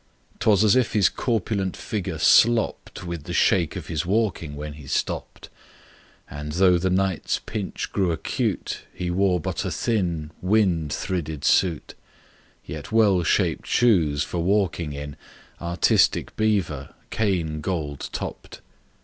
'Twas as if his corpulent figure slopped With the shake of his walking when he stopped, And, though the night's pinch grew acute, He wore but a thin Wind thridded suit, Yet well shaped shoes for walking in, Artistic beaver, cane gold topped.